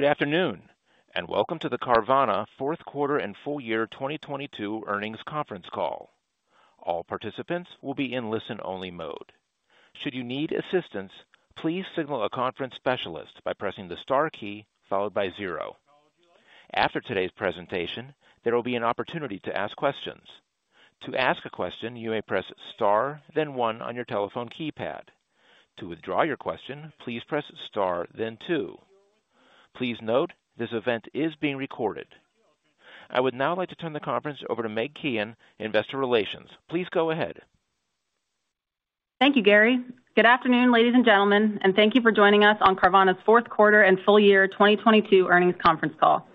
Good afternoon. Welcome to the Carvana Fourth Quarter and Full Year 2022 Earnings Conference Call. All participants will be in listen-only mode. Should you need assistance, please signal a conference specialist by pressing the star key followed by zero. After today's presentation, there will be an opportunity to ask questions. To ask a question, you may press star then one on your telephone keypad. To withdraw your question, please press star then two. Please note this event is being recorded. I would now like to turn the conference over to Meg Kehan, Investor Relations. Please go ahead. Thank you, Gary. Good afternoon, ladies and gentlemen, and thank you for joining us on Carvana's fourth quarter and full year 2022 earnings conference call.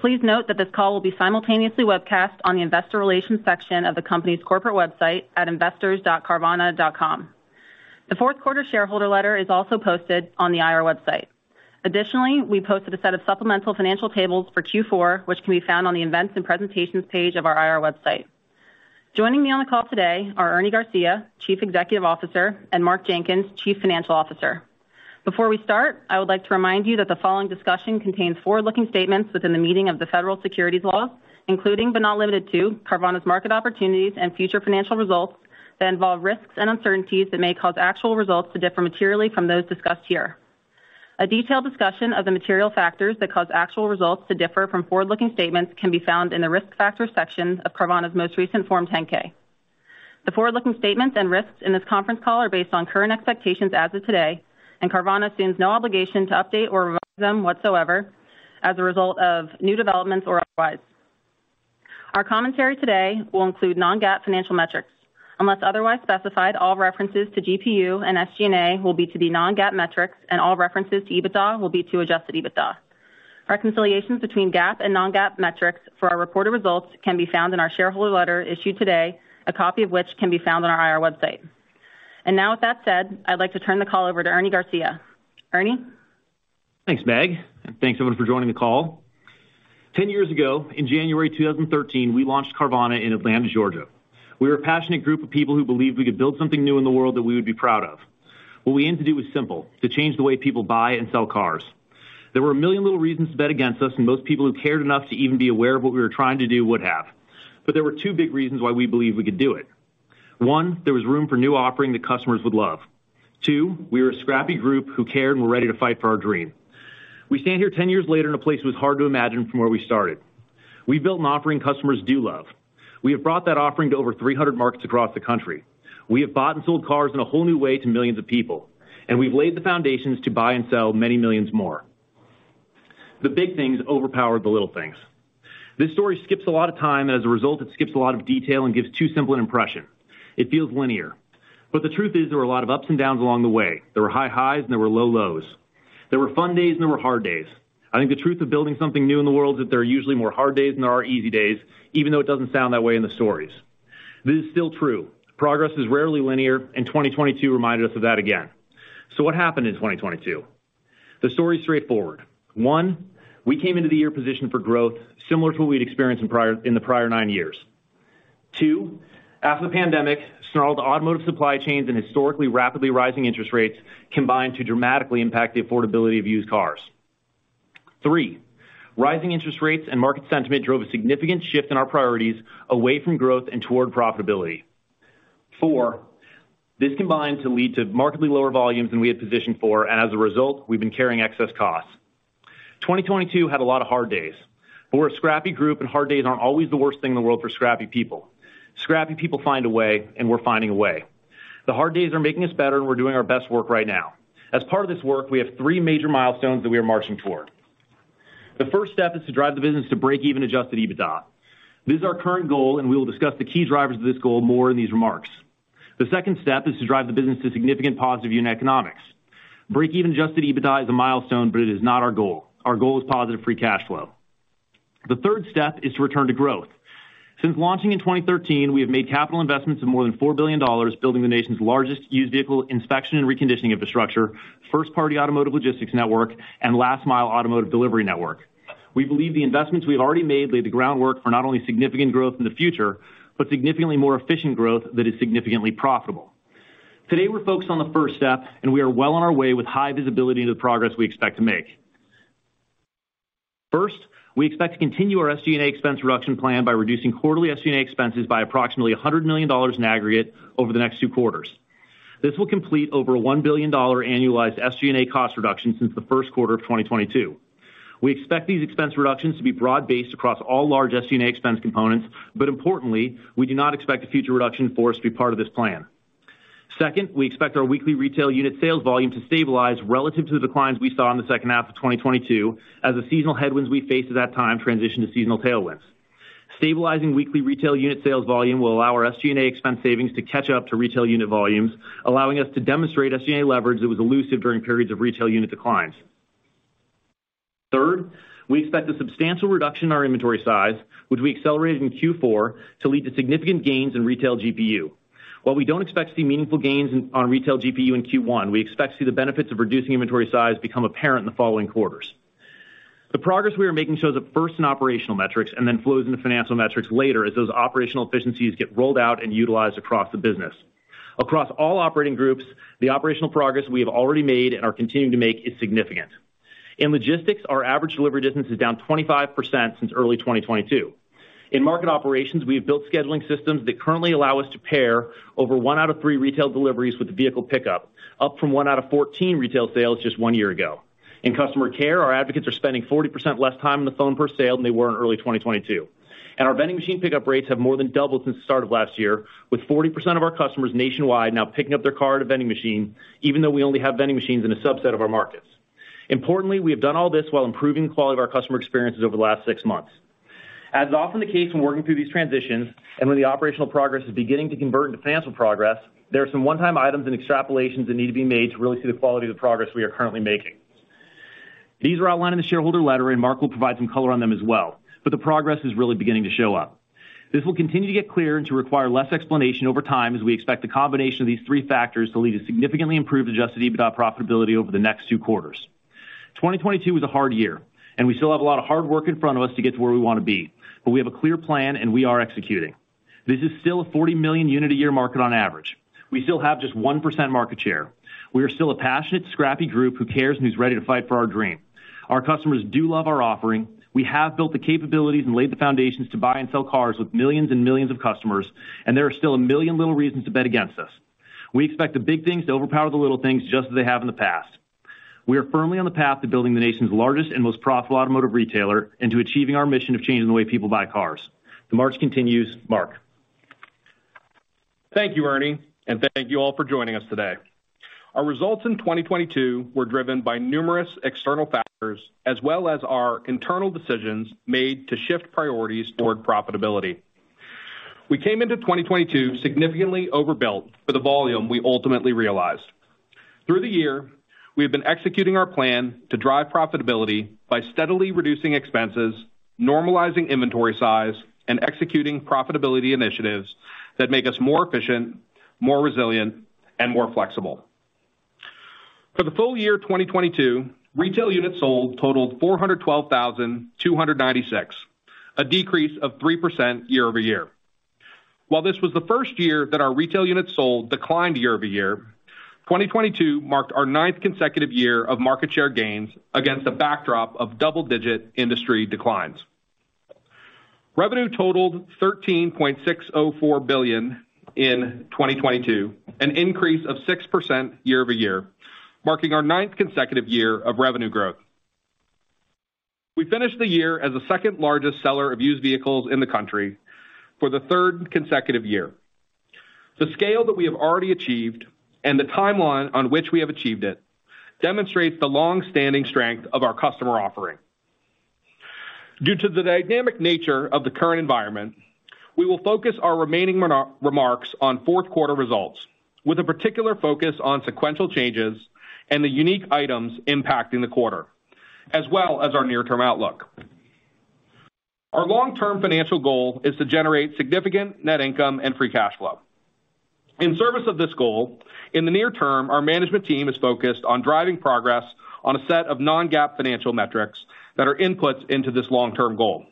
Please note that this call will be simultaneously webcast on the investor relations section of the company's corporate website at investors.carvana.com. The fourth quarter shareholder letter is also posted on the IR website. Additionally, we posted a set of supplemental financial tables for Q4, which can be found on the Events and Presentations page of our IR website. Joining me on the call today are Ernie Garcia, Chief Executive Officer, and Mark Jenkins, Chief Financial Officer. Before we start, I would like to remind you that the following discussion contains forward-looking statements within the meaning of the Federal Securities laws, including but not limited to Carvana's market opportunities and future financial results that involve risks and uncertainties that may cause actual results to differ materially from those discussed here. A detailed discussion of the material factors that cause actual results to differ from forward-looking statements can be found in the Risk Factors section of Carvana's most recent Form 10-K. The forward-looking statements and risks in this conference call are based on current expectations as of today, Carvana assumes no obligation to update or revise them whatsoever as a result of new developments or otherwise. Our commentary today will include non-GAAP financial metrics. Unless otherwise specified, all references to GPU and SG&A will be to the non-GAAP metrics and all references to EBITDA will be to Adjusted EBITDA. Reconciliations between GAAP and non-GAAP metrics for our reported results can be found in our shareholder letter issued today, a copy of which can be found on our IR website. Now with that said, I'd like to turn the call over to Ernie Garcia. Ernie? Thanks, Meg, and thanks, everyone, for joining the call. 10 years ago, in January 2013, we launched Carvana in Atlanta, Georgia. We were a passionate group of people who believed we could build something new in the world that we would be proud of. What we aimed to do was simple: to change the way people buy and sell cars. There were one million little reasons to bet against us, and most people who cared enough to even be aware of what we were trying to do would have. There were two big reasons why we believed we could do it. One, there was room for new offering that customers would love. Two, we were a scrappy group who cared and were ready to fight for our dream. We stand here 10 years later in a place it was hard to imagine from where we started. We built an offering customers do love. We have brought that offering to over 300 markets across the country. We have bought and sold cars in a whole new way to millions of people, and we've laid the foundations to buy and sell many millions more. The big things overpowered the little things. This story skips a lot of time, and as a result, it skips a lot of detail and gives too simple an impression. It feels linear. The truth is, there were a lot of ups and downs along the way. There were high highs, and there were low lows. There were fun days, and there were hard days. I think the truth of building something new in the world is that there are usually more hard days than there are easy days, even though it doesn't sound that way in the stories. This is still true. Progress is rarely linear. 2022 reminded us of that again. What happened in 2022? The story is straightforward. One, we came into the year positioned for growth similar to what we'd experienced in the prior nine years. Two, after the pandemic snarled automotive supply chains and historically rapidly rising interest rates combined to dramatically impact the affordability of used cars. Three, rising interest rates and market sentiment drove a significant shift in our priorities away from growth and toward profitability. Four, this combined to lead to markedly lower volumes than we had positioned for. As a result, we've been carrying excess costs. 2022 had a lot of hard days. We're a scrappy group. Hard days aren't always the worst thing in the world for scrappy people. Scrappy people find a way. We're finding a way. The hard days are making us better, and we're doing our best work right now. As part of this work, we have three major milestones that we are marching toward. The first step is to drive the business to break even Adjusted EBITDA. This is our current goal, and we will discuss the key drivers of this goal more in these remarks. The second step is to drive the business to significant positive unit economics. Break even Adjusted EBITDA is a milestone, but it is not our goal. Our goal is positive free cash flow. The third step is to return to growth. Since launching in 2013, we have made capital investments of more than $4 billion building the nation's largest used vehicle inspection and reconditioning infrastructure, first-party automotive logistics network, and last-mile automotive delivery network. We believe the investments we've already made lay the groundwork for not only significant growth in the future, but significantly more efficient growth that is significantly profitable. Today, we're focused on the first step. We are well on our way with high visibility to the progress we expect to make. First, we expect to continue our SG&A expense reduction plan by reducing quarterly SG&A expenses by approximately $100 million in aggregate over the next two quarters. This will complete over a $1 billion annualized SG&A cost reduction since the first quarter of 2022. We expect these expense reductions to be broad-based across all large SG&A expense components. Importantly, we do not expect a future reduction force to be part of this plan. Second, we expect our weekly retail unit sales volume to stabilize relative to the declines we saw in the second half of 2022 as the seasonal headwinds we faced at that time transition to seasonal tailwinds. Stabilizing weekly retail unit sales volume will allow our SG&A expense savings to catch up to retail unit volumes, allowing us to demonstrate SG&A leverage that was elusive during periods of retail unit declines. Third, we expect a substantial reduction in our inventory size, which we accelerated in Q4, to lead to significant gains in retail GPU. While we don't expect to see meaningful gains on retail GPU in Q1, we expect to see the benefits of reducing inventory size become apparent in the following quarters. The progress we are making shows up first in operational metrics and then flows into financial metrics later as those operational efficiencies get rolled out and utilized across the business. Across all operating groups, the operational progress we have already made and are continuing to make is significant. In logistics, our average delivery distance is down 25% since early 2022. In market operations, we have built scheduling systems that currently allow us to pair over one out of three retail deliveries with the vehicle pickup, up from one out of 14 retail sales just one year ago. In customer care, our advocates are spending 40% less time on the phone per sale than they were in early 2022. Our vending machine pickup rates have more than doubled since the start of last year, with 40% of our customers nationwide now picking up their car at a vending machine, even though we only have vending machines in a subset of our markets. Importantly, we have done all this while improving the quality of our customer experiences over the last six months. As is often the case when working through these transitions and when the operational progress is beginning to convert into financial progress, there are some one-time items and extrapolations that need to be made to really see the quality of the progress we are currently making. These are outlined in the shareholder letter. Mark will provide some color on them as well. The progress is really beginning to show up. This will continue to get clearer and to require less explanation over time, as we expect the combination of these three factors to lead to significantly improved Adjusted EBITDA profitability over the next two quarters. 2022 was a hard year, and we still have a lot of hard work in front of us to get to where we want to be, but we have a clear plan, and we are executing. This is still a 40 million unit a year market on average. We still have just 1% market share. We are still a passionate, scrappy group who cares and who's ready to fight for our dream. Our customers do love our offering. We have built the capabilities and laid the foundations to buy and sell cars with millions and millions of customers, and there are still a million little reasons to bet against us. We expect the big things to overpower the little things just as they have in the past. We are firmly on the path to building the nation's largest and most profitable automotive retailer into achieving our mission of changing the way people buy cars. The march continues. Mark. Thank you, Ernie, and thank you all for joining us today. Our results in 2022 were driven by numerous external factors as well as our internal decisions made to shift priorities toward profitability. We came into 2022 significantly overbuilt for the volume we ultimately realized. Through the year, we have been executing our plan to drive profitability by steadily reducing expenses, normalizing inventory size, and executing profitability initiatives that make us more efficient, more resilient, and more flexible. For the full year 2022, retail units sold totaled 412,296, a decrease of 3% year-over-year. While this was the first year that our retail units sold declined year-over-year, 2022 marked our ninth consecutive year of market share gains against a backdrop of double-digit industry declines. Revenue totaled $13.604 billion in 2022, an increase of 6% year-over-year, marking our ninth consecutive year of revenue growth. We finished the year as the second largest seller of used vehicles in the country for the third consecutive year. The scale that we have already achieved and the timeline on which we have achieved it demonstrates the long-standing strength of our customer offering. Due to the dynamic nature of the current environment, we will focus our remaining reno-remarks on fourth quarter results with a particular focus on sequential changes and the unique items impacting the quarter, as well as our near-term outlook. Our long-term financial goal is to generate significant net income and free cash flow. In service of this goal, in the near term, our management team is focused on driving progress on a set of non-GAAP financial metrics that are inputs into this long-term goal.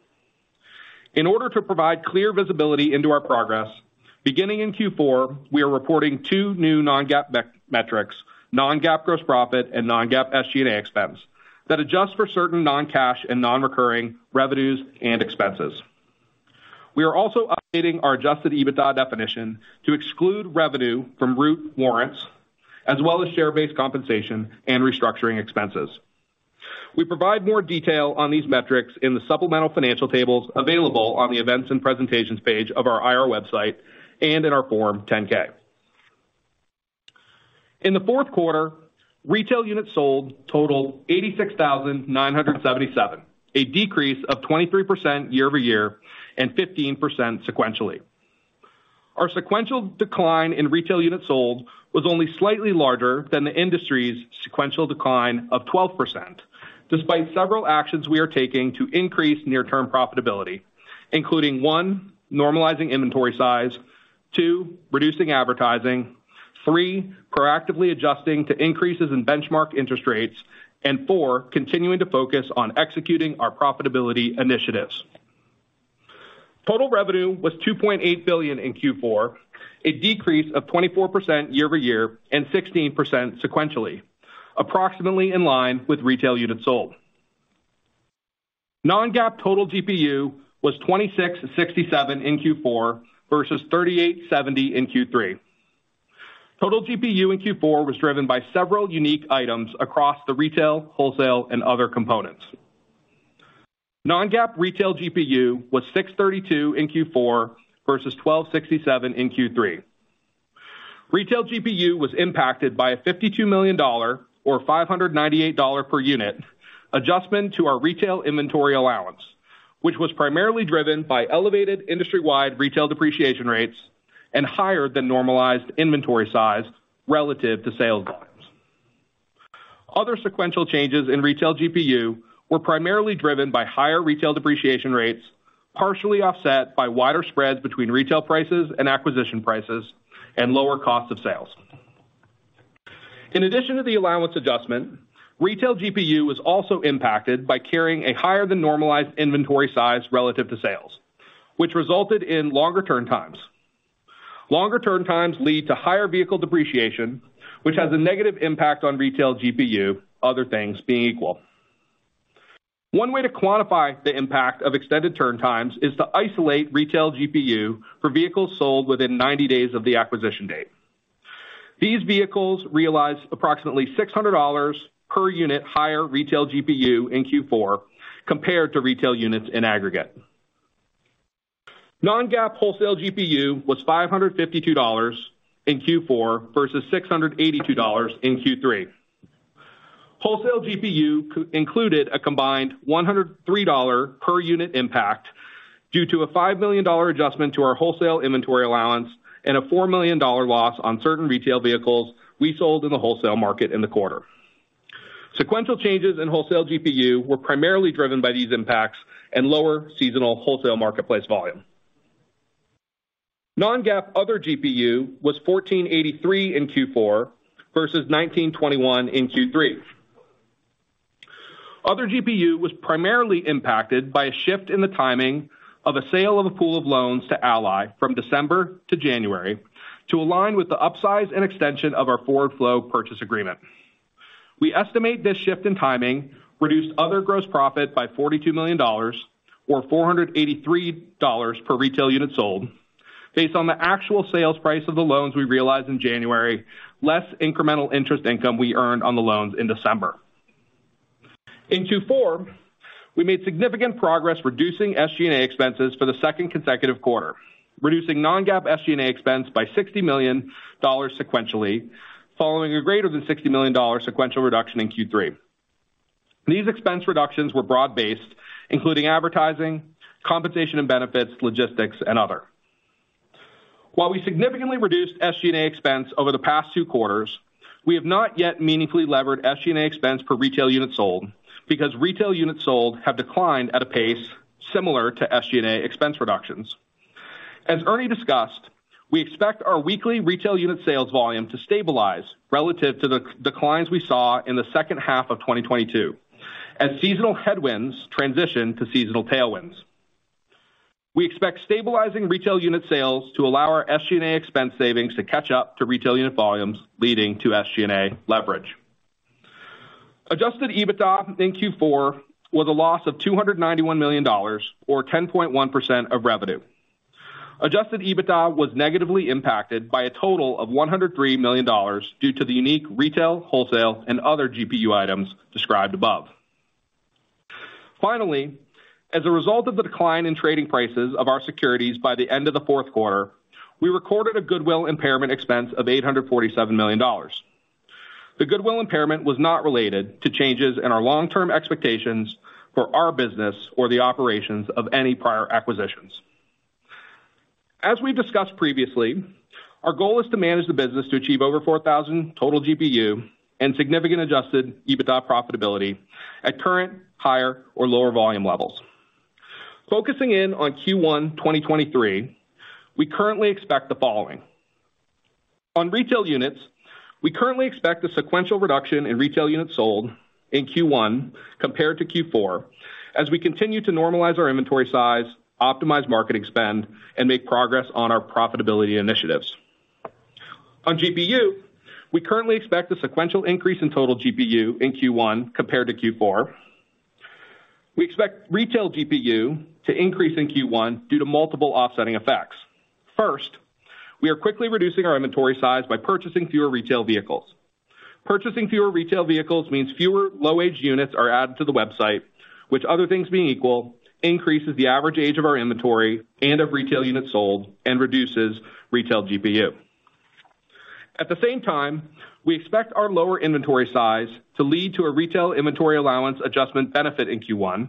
In order to provide clear visibility into our progress, beginning in Q4, we are reporting two new non-GAAP metrics, non-GAAP gross profit and non-GAAP SG&A expense, that adjust for certain non-cash and non-recurring revenues and expenses. We are also updating our Adjusted EBITDA definition to exclude revenue from Root warrants as well as share-based compensation and restructuring expenses. We provide more detail on these metrics in the supplemental financial tables available on the Events and Presentations page of our IR website and in our Form 10-K. In the fourth quarter, retail units sold totaled 86,977, a decrease of 23% year-over-year and 15% sequentially. Our sequential decline in retail units sold was only slightly larger than the industry's sequential decline of 12%, despite several actions we are taking to increase near-term profitability, including, one, normalizing inventory size, two, reducing advertising, three, proactively adjusting to increases in benchmark interest rates, and four, continuing to focus on executing our profitability initiatives. Total revenue was $2.8 billion in Q4, a decrease of 24% year-over-year and 16% sequentially, approximately in line with retail units sold. Non-GAAP total GPU was $2,667 in Q4 versus $3,870 in Q3. Total GPU in Q4 was driven by several unique items across the retail, wholesale, and other components. Non-GAAP retail GPU was $632 in Q4 versus $1,267 in Q3. Retail GPU was impacted by a $52 million, or $598 per unit, adjustment to our retail inventory allowance, which was primarily driven by elevated industry-wide retail depreciation rates and higher than normalized inventory size relative to sales volumes. Other sequential changes in retail GPU were primarily driven by higher retail depreciation rates, partially offset by wider spreads between retail prices and acquisition prices and lower cost of sales. In addition to the allowance adjustment, retail GPU was also impacted by carrying a higher than normalized inventory size relative to sales, which resulted in longer turn times. Longer turn times lead to higher vehicle depreciation, which has a negative impact on retail GPU, other things being equal. One way to quantify the impact of extended turn times is to isolate retail GPU for vehicles sold within 90 days of the acquisition date. These vehicles realize approximately $600 per unit higher retail GPU in Q4 compared to retail units in aggregate. Non-GAAP wholesale GPU was $552 in Q4 versus $682 in Q3. Wholesale GPU co-included a combined $103 per unit impact due to a $5 million adjustment to our wholesale inventory allowance and a $4 million loss on certain retail vehicles we sold in the wholesale market in the quarter. Sequential changes in wholesale GPU were primarily driven by these impacts and lower seasonal wholesale marketplace volume. Non-GAAP other GPU was $1,483 in Q4 versus $1,921 in Q3. Other GPU was primarily impacted by a shift in the timing of a sale of a pool of loans to Ally from December to January to align with the upsize and extension of our forward flow purchase agreement. We estimate this shift in timing reduced other gross profit by $42 million or $483 per retail unit sold based on the actual sales price of the loans we realized in January less incremental interest income we earned on the loans in December. In Q4, we made significant progress reducing SG&A expenses for the second consecutive quarter, reducing non-GAAP SG&A expense by $60 million sequentially following a greater than $60 million sequential reduction in Q3. These expense reductions were broad-based, including advertising, compensation and benefits, logistics, and other. While we significantly reduced SG&A expense over the past two quarters, we have not yet meaningfully levered SG&A expense per retail unit sold because retail units sold have declined at a pace similar to SG&A expense reductions. As Ernie discussed, we expect our weekly retail unit sales volume to stabilize relative to the declines we saw in the second half of 2022 as seasonal headwinds transition to seasonal tailwinds. We expect stabilizing retail unit sales to allow our SG&A expense savings to catch up to retail unit volumes, leading to SG&A leverage. Adjusted EBITDA in Q4 was a loss of $291 million or 10.1% of revenue. Adjusted EBITDA was negatively impacted by a total of $103 million due to the unique retail, wholesale, and other GPU items described above. As a result of the decline in trading prices of our securities by the end of the fourth quarter, we recorded a goodwill impairment expense of $847 million. The goodwill impairment was not related to changes in our long-term expectations for our business or the operations of any prior acquisitions. As we discussed previously, our goal is to manage the business to achieve over 4,000 total GPU and significant Adjusted EBITDA profitability at current, higher or lower volume levels. Focusing in on Q1, 2023, we currently expect the following. On retail units, we currently expect a sequential reduction in retail units sold in Q1 compared to Q4 as we continue to normalize our inventory size, optimize marketing spend, and make progress on our profitability initiatives. On GPU, we currently expect a sequential increase in total GPU in Q1 compared to Q4. We expect retail GPU to increase in Q1 due to multiple offsetting effects. First, we are quickly reducing our inventory size by purchasing fewer retail vehicles. Purchasing fewer retail vehicles means fewer low-age units are added to the website, which other things being equal, increases the average age of our inventory and of retail units sold and reduces retail GPU. At the same time, we expect our lower inventory size to lead to a retail inventory allowance adjustment benefit in Q1,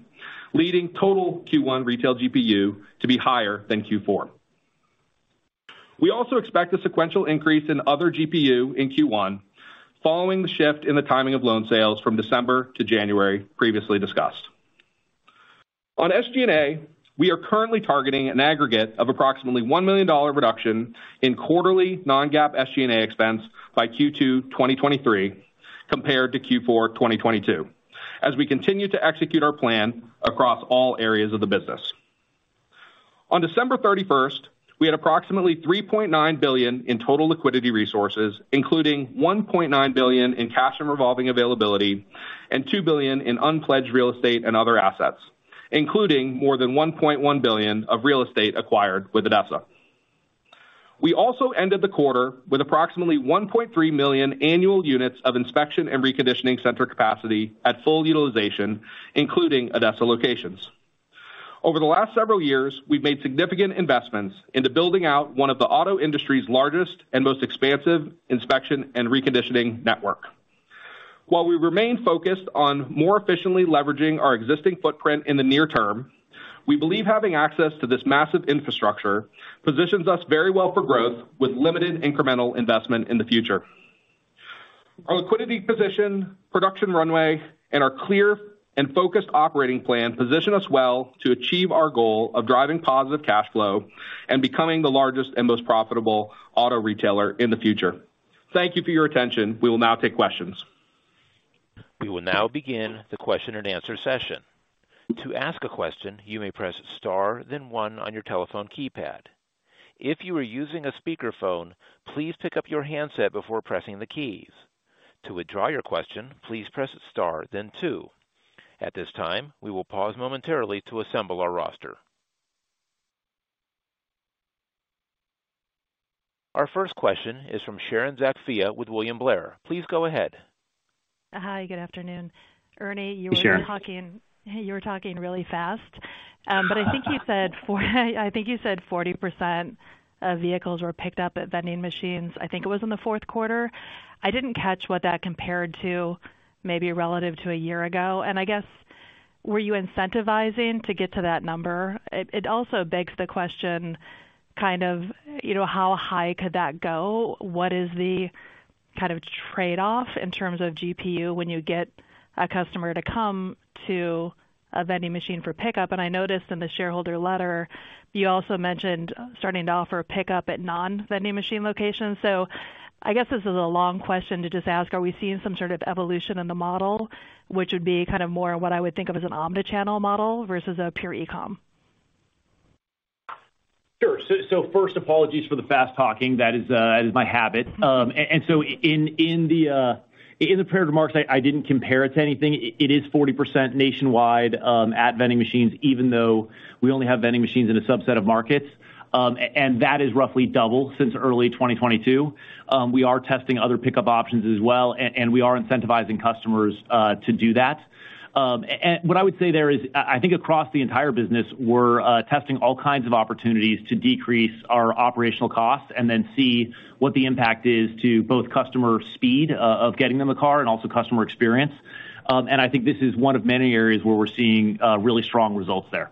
leading total Q1 retail GPU to be higher than Q4. We also expect a sequential increase in other GPU in Q1 following the shift in the timing of loan sales from December to January previously discussed. On SG&A, we are currently targeting an aggregate of approximately $1 million reduction in quarterly non-GAAP SG&A expense by Q2 2023 compared to Q4 2022 as we continue to execute our plan across all areas of the business. On December 31st, we had approximately $3.9 billion in total liquidity resources, including $1.9 billion in cash and revolving availability and $2 billion in unpledged real estate and other assets, including more than $1.1 billion of real estate acquired with ADESA. We also ended the quarter with approximately 1.3 million annual units of inspection and reconditioning center capacity at full utilization, including ADESA locations. Over the last several years, we've made significant investments into building out one of the auto industry's largest and most expansive inspection and reconditioning network. While we remain focused on more efficiently leveraging our existing footprint in the near term, we believe having access to this massive infrastructure positions us very well for growth with limited incremental investment in the future. Our liquidity position, production runway, and our clear and focused operating plan position us well to achieve our goal of driving positive cash flow and becoming the largest and most profitable auto retailer in the future. Thank you for your attention. We will now take questions. We will now begin the question and answer session. To ask a question, you may press star then one on your telephone keypad. If you are using a speakerphone, please pick up your handset before pressing the keys. To withdraw your question, please press star then two. At this time, we will pause momentarily to assemble our roster. Our first question is from Sharon Zackfia with William Blair. Please go ahead. Hi. Good afternoon, Ernie. Hey, Sharon. You were talking really fast. I think you said 40% of vehicles were picked up at vending machines. I think it was in the fourth quarter. I didn't catch what that compared to maybe relative to a year ago. I guess, were you incentivizing to get to that number? It also begs the question kind of, you know, how high could that go? What is the kind of trade-off in terms of GPU when you get a customer to come to a vending machine for pickup? I noticed in the shareholder letter, you also mentioned starting to offer pickup at non-vending machine locations. I guess this is a long question to just ask. Are we seeing some sort of evolution in the model which would be kind of more what I would think of as an omni-channel model versus a pure e-com? Sure. First, apologies for the fast talking. That is my habit. In the prepared remarks, I didn't compare it to anything. It is 40 nationwide, at vending machines, even though we only have vending machines in a subset of markets. That is roughly double since early 2022. We are testing other pickup options as well, and we are incentivizing customers to do that. What I would say there is I think across the entire business, we're testing all kinds of opportunities to decrease our operational costs and then see what the impact is to both customer speed of getting them a car and also customer experience. I think this is one of many areas where we're seeing really strong results there.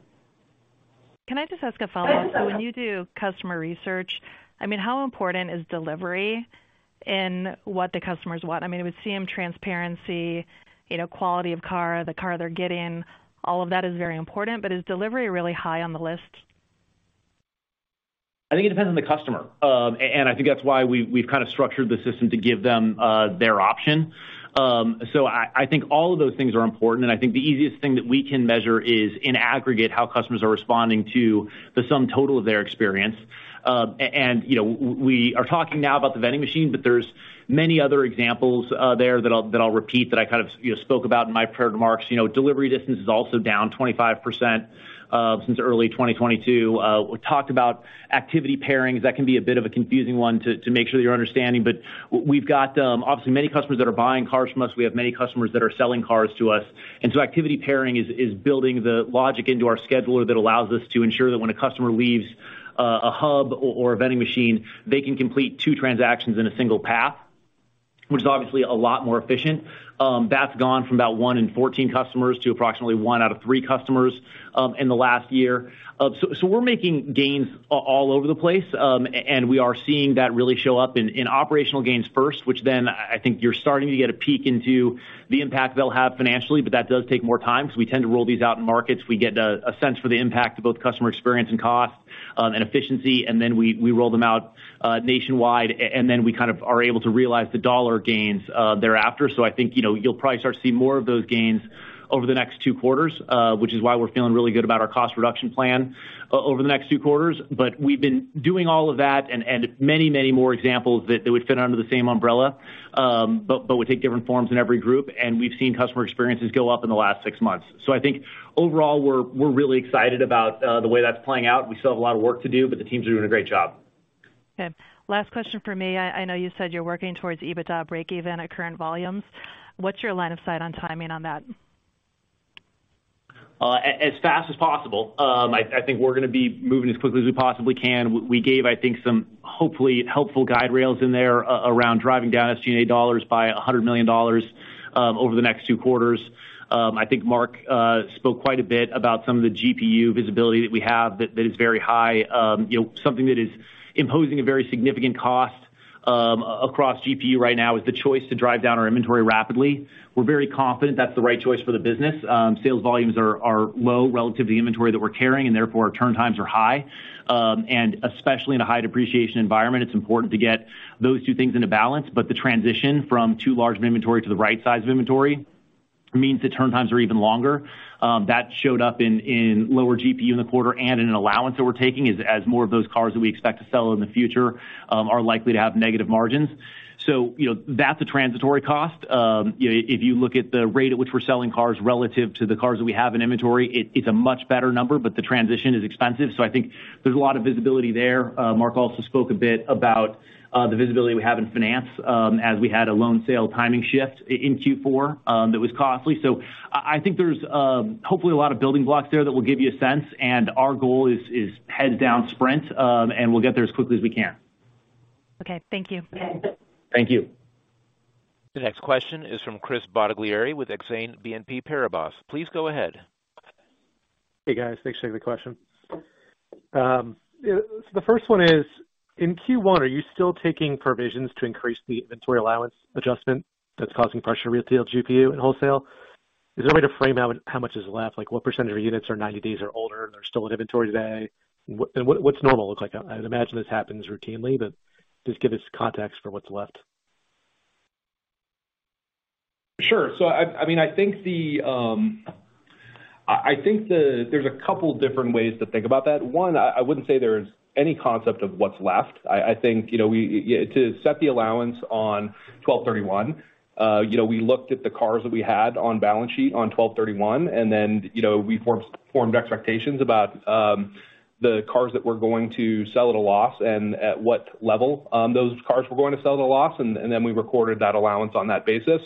Can I just ask a follow-up? When you do customer research, I mean, how important is delivery in what the customers want? I mean, it would seem transparency, you know, quality of car, the car they're getting, all of that is very important. Is delivery really high on the list? I think it depends on the customer. I think that's why we've kind of structured the system to give them their option. I think all of those things are important, and I think the easiest thing that we can measure is in aggregate, how customers are responding to the sum total of their experience. You know, we are talking now about the vending machine, but there's many other examples there that I'll repeat that I kind of, you know, spoke about in my prepared remarks. You know, delivery distance is also down 25% since early 2022. We talked about activity pairings. That can be a bit of a confusing one to make sure that you're understanding. We've got obviously many customers that are buying cars from us. We have many customers that are selling cars to us. Activity pairing is building the logic into our scheduler that allows us to ensure that when a customer leaves a hub or a vending machine, they can complete two transactions in a single path, which is obviously a lot more efficient. That's gone from about one in 14 customers to approximately one out of three customers in the last year. We're making gains all over the place. We are seeing that really show up in operational gains first, which then I think you're starting to get a peek into the impact they'll have financially, but that does take more time 'cause we tend to roll these out in markets. We get a sense for the impact to both customer experience and cost and efficiency, and then we roll them out nationwide, and then we kind of are able to realize the dollar gains thereafter. I think, you know, you'll probably start to see more of those gains over the next two quarters, which is why we're feeling really good about our cost reduction plan over the next two quarters. We've been doing all of that and many more examples that would fit under the same umbrella, but would take different forms in every group. We've seen customer experiences go up in the last six months. I think overall, we're really excited about the way that's playing out. We still have a lot of work to do, but the teams are doing a great job. Okay. Last question for me. I know you said you're working towards EBITDA breakeven at current volumes. What's your line of sight on timing on that? As fast as possible. I think we're going to be moving as quickly as we possibly can. We gave, I think, some hopefully helpful guide rails in there around driving down SG&A dollars by $100 million over the next two quarters. I think Mark spoke quite a bit about some of the GPU visibility that we have that is very high. You know, something that is imposing a very significant cost across GPU right now is the choice to drive down our inventory rapidly. We're very confident that's the right choice for the business. Sales volumes are low relative to the inventory that we're carrying, and therefore, our turn times are high. Especially in a high depreciation environment, it's important to get those two things into balance. The transition from too large of inventory to the right size of inventory means the turn times are even longer. That showed up in lower GPU in the quarter and in an allowance that we're taking as more of those cars that we expect to sell in the future are likely to have negative margins. You know, that's a transitory cost. You know, if you look at the rate at which we're selling cars relative to the cars that we have in inventory, it's a much better number. The transition is expensive, so I think there's a lot of visibility there. Mark also spoke a bit about the visibility we have in finance, as we had a loan sale timing shift in Q4 that was costly. I think there's hopefully a lot of building blocks there that will give you a sense. Our goal is heads down sprint, and we'll get there as quickly as we can. Okay. Thank you. Thank you. The next question is from Chris Bottiglieri with Exane BNP Paribas. Please go ahead. Hey, guys. Thanks for taking the question. The first one is, in Q1, are you still taking provisions to increase the inventory allowance adjustment that's causing pressure to your field GPU and wholesale? Is there a way to frame out how much is left? Like what percentage of units are 90 days or older and are still in inventory today? What's normal look like? I'd imagine this happens routinely, but just give us context for what's left. Sure. I mean, I think there's a couple different ways to think about that. One, I wouldn't say there's any concept of what's left. I think, you know, yeah, to set the allowance on 12/31, you know, we looked at the cars that we had on balance sheet on 12/31 and then, you know, we formed expectations about the cars that we're going to sell at a loss and at what level those cars were going to sell at a loss, and then we recorded that allowance on that basis.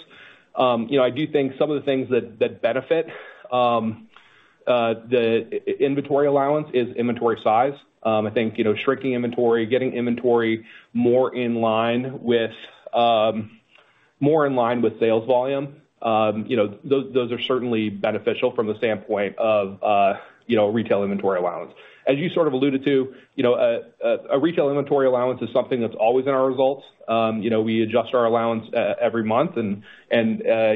You know, I do think some of the things that benefit the inventory allowance is inventory size. I think, you know, shrinking inventory, getting inventory more in line with, more in line with sales volume. you know, those are certainly beneficial from the standpoint of, you know, retail inventory allowance. As you sort of alluded to, you know, a retail inventory allowance is something that's always in our results. You know, we adjust our allowance every month and,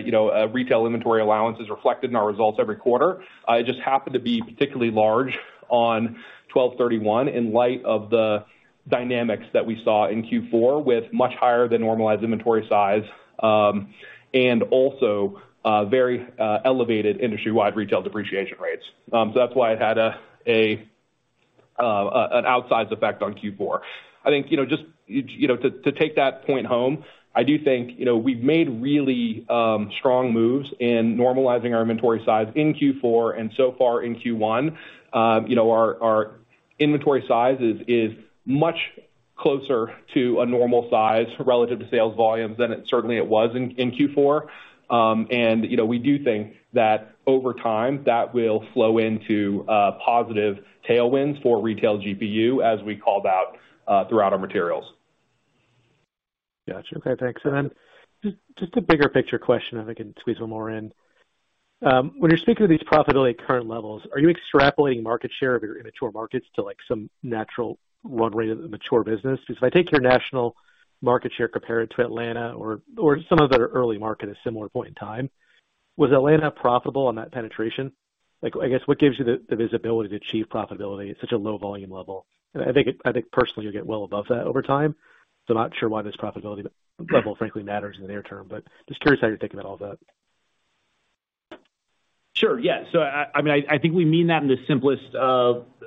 you know, a retail inventory allowance is reflected in our results every quarter. It just happened to be particularly large on 12/31 in light of the dynamics that we saw in Q4 with much higher than normalized inventory size, and also, very, elevated industry-wide retail depreciation rates. That's why it had an outsized effect on Q4. I think, you know, just, you know, to take that point home, I do think, you know, we've made really strong moves in normalizing our inventory size in Q4 and so far in Q1. You know, our inventory size is much closer to a normal size relative to sales volumes than it certainly was in Q4. You know, we do think that over time, that will flow into positive tailwinds for retail GPU as we called out throughout our materials. Gotcha. Okay, thanks. Then just a bigger picture question if I can squeeze one more in. When you're speaking of these profitability at current levels, are you extrapolating market share of your immature markets to like some natural run rate of the mature business? If I take your national market share compared to Atlanta or some of their early market at similar point in time, was Atlanta profitable on that penetration? Like, I guess what gives you the visibility to achieve profitability at such a low volume level? I think personally you'll get well above that over time, so I'm not sure why this profitability level frankly matters in the near term. Just curious how you're thinking about all that. Sure. Yeah. I mean, I think we mean that in the simplest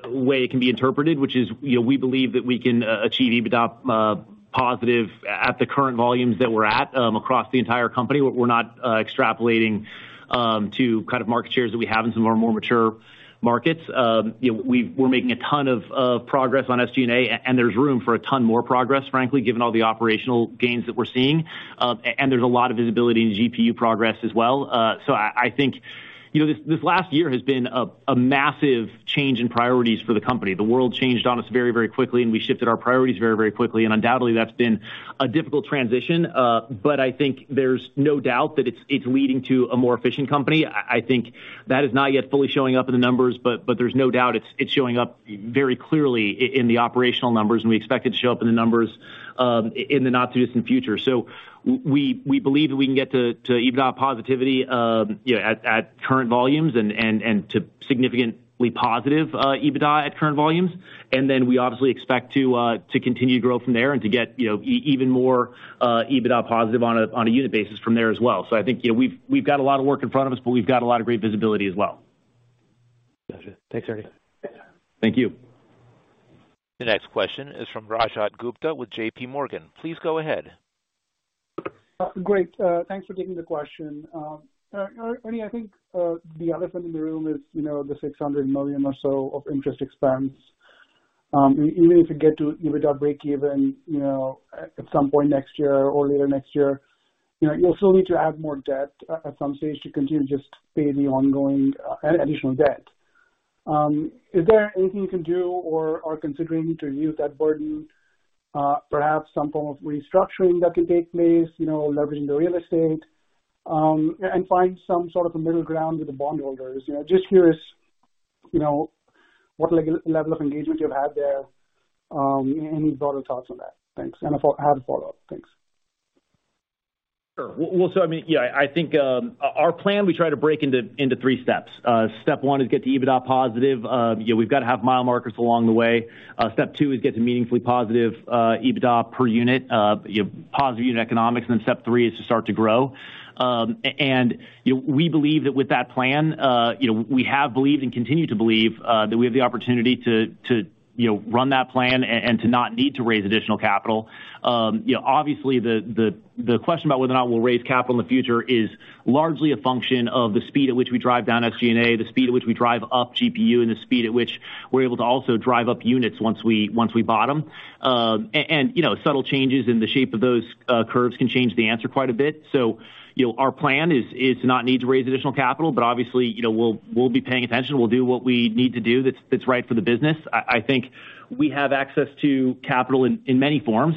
way it can be interpreted, which is, you know, we believe that we can achieve EBITDA positive at the current volumes that we're at across the entire company. We're not extrapolating to kind of market shares that we have in some of our more mature markets. You know, we're making a ton of progress on SG&A, and there's room for a ton more progress, frankly, given all the operational gains that we're seeing. And there's a lot of visibility in GPU progress as well. I think, you know, this last year has been a massive change in priorities for the company. The world changed on us very, very quickly and we shifted our priorities very, very quickly. Undoubtedly, that's been a difficult transition. But I think there's no doubt that it's leading to a more efficient company. I think that is not yet fully showing up in the numbers, but there's no doubt it's showing up very clearly in the operational numbers and we expect it to show up in the numbers in the not too distant future. We believe that we can get to EBITDA positivity, you know, at current volumes and to significantly positive EBITDA at current volumes. Then we obviously expect to continue to grow from there and to get, you know, even more EBITDA positive on a unit basis from there as well. I think, you know, we've got a lot of work in front of us, but we've got a lot of great visibility as well. Gotcha. Thanks, Ernie. Thank you. The next question is from Rajat Gupta with JPMorgan. Please go ahead. Great. Thanks for taking the question. Ernie, I think the elephant in the room is, you know, the $600 million or so of interest expense. Even if you get to EBITDA breakeven, you know, at some point next year or later next year, you know, you also need to add more debt at some stage to continue to just pay the ongoing additional debt. Is there anything you can do or are considering to reduce that burden? Perhaps some form of restructuring that can take place, you know, leveraging the real estate, and find some sort of a middle ground with the bondholders. You know, just curious, you know, what level of engagement you've had there, any broader thoughts on that? Thanks. I have a follow-up. Thanks. Sure. Well, I mean, yeah, I think, our plan, we try to break into three steps. Step one is get to EBITDA positive. You know, we've got to have mile markers along the way. Step two is get to meaningfully positive EBITDA per unit, you know, positive unit economics. Step three is to start to grow. And, you know, we believe that with that plan, you know, we have believed and continue to believe, that we have the opportunity to, you know, run that plan and to not need to raise additional capital. You know, obviously the question about whether or not we'll raise capital in the future is largely a function of the speed at which we drive down SG&A, the speed at which we drive up GPU and the speed at which we're able to also drive up units once we bottom. You know, subtle changes in the shape of those curves can change the answer quite a bit. You know, our plan is to not need to raise additional capital, but obviously, you know, we'll be paying attention. We'll do what we need to do that's right for the business. I think we have access to capital in many forms.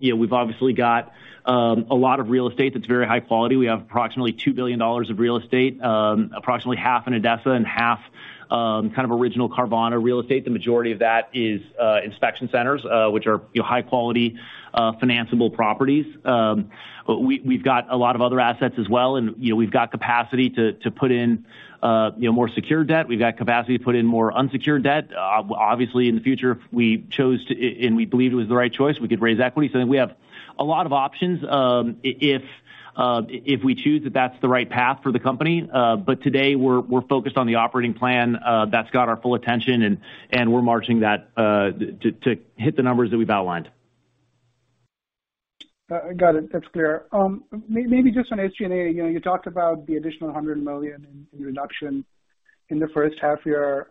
You know, we've obviously got a lot of real estate that's very high quality. We have approximately $2 billion of real estate, approximately half in ADESA and half kind of original Carvana real estate. The majority of that is inspection centers, which are, you know, high quality, financeable properties. We've got a lot of other assets as well and, you know, we've got capacity to put in, you know, more secured debt. We've got capacity to put in more unsecured debt. Obviously, in the future, if we chose and we believed it was the right choice, we could raise equity. I think we have a lot of options if we choose that that's the right path for the company. Today we're focused on the operating plan. That's got our full attention and we're marching that to hit the numbers that we've outlined. Got it. That's clear. Maybe just on SG&A, you know, you talked about the additional $100 million in reduction in the first half year.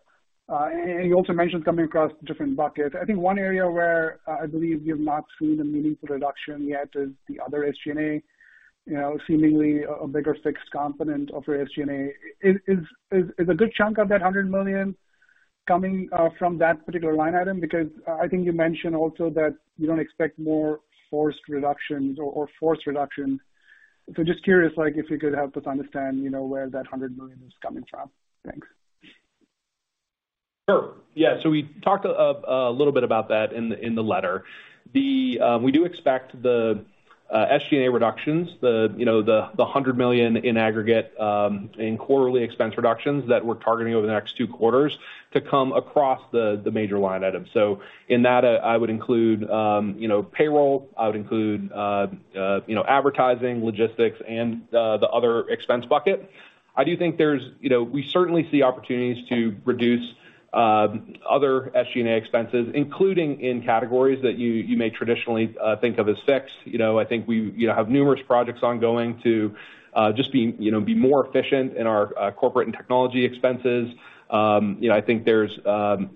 You also mentioned coming across different buckets. I think one area where I believe you've not seen a meaningful reduction yet is the other SG&A, you know, seemingly a bigger fixed component of your SG&A. Is a good chunk of that $100 million coming from that particular line item? I think you mentioned also that you don't expect more forced reductions or forced reductions. Just curious, like, if you could help us understand, you know, where that $100 million is coming from. Thanks. Sure. Yeah. We talked a little bit about that in the letter. The. We do expect the SG&A reductions, the, you know, the $100 million in aggregate, in quarterly expense reductions that we're targeting over the next two quarters to come across the major line items. In that, I would include, you know, payroll. I would include, you know, advertising, logistics, and the other expense bucket. I do think there's. You know, we certainly see opportunities to reduce other SG&A expenses, including in categories that you may traditionally think of as fixed. You know, I think we, you know, have numerous projects ongoing to just be more efficient in our corporate and technology expenses. you know, I think there's,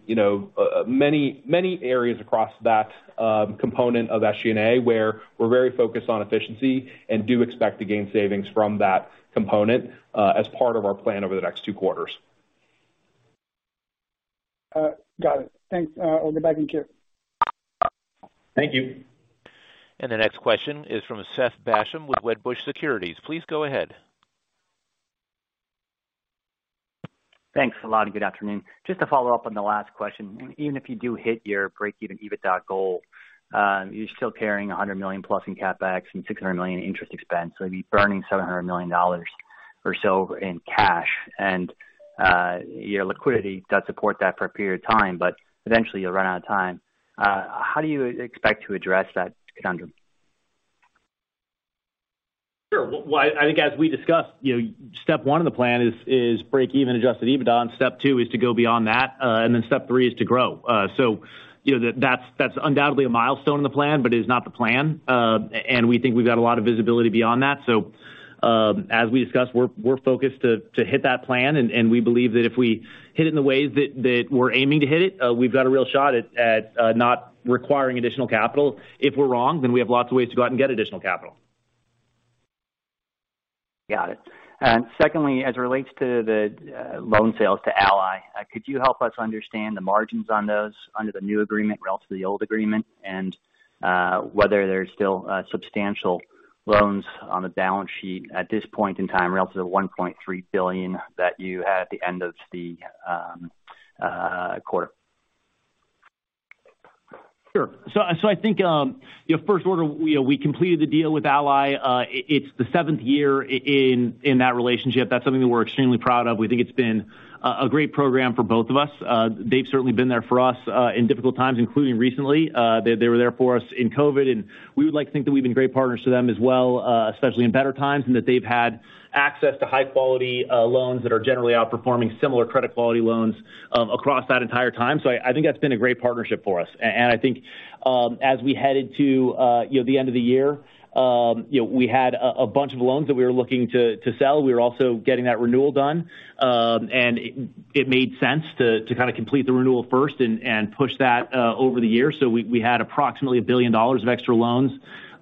you know, many, many areas across that component of SG&A where we're very focused on efficiency and do expect to gain savings from that component as part of our plan over the next two quarters. Got it. Thanks. I'll get back in queue. Thank you. The next question is from Seth Basham with Wedbush Securities. Please go ahead. Thanks a lot, and good afternoon. Just to follow up on the last question. Even if you do hit your break-even EBITDA goal, you're still carrying $100 million+ in CapEx and $600 million in interest expense, so you'd be burning $700 million or so in cash. Your liquidity does support that for a period of time, but eventually you'll run out of time. How do you expect to address that conundrum? Sure. I think as we discussed, you know, step one of the plan is break even Adjusted EBITDA, and step two is to go beyond that. Step three is to grow. You know, that's undoubtedly a milestone in the plan, but is not the plan. We think we've got a lot of visibility beyond that. As we discussed, we're focused to hit that plan and we believe that if we hit it in the ways that we're aiming to hit it, we've got a real shot at not requiring additional capital. If we're wrong, then we have lots of ways to go out and get additional capital. Got it. Secondly, as it relates to the loan sales to Ally, could you help us understand the margins on those under the new agreement relative to the old agreement and whether there's still substantial loans on the balance sheet at this point in time relative to the $1.3 billion that you had at the end of the quarter? Sure. I think, you know, first order, you know, we completed the deal with Ally. It's the seventh year in that relationship. That's something that we're extremely proud of. We think it's been a great program for both of us. They've certainly been there for us in difficult times, including recently. They were there for us in COVID, and we would like to think that we've been great partners to them as well, especially in better times, and that they've had access to high quality loans that are generally outperforming similar credit quality loans across that entire time. I think that's been a great partnership for us. I think, as we headed to, you know, the end of the year, you know, we had a bunch of loans that we were looking to sell. We were also getting that renewal done. It made sense to kind of complete the renewal first and push that over the year. We had approximately $1 billion of extra loans